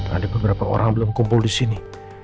ada beberapa orang belum kumpul disini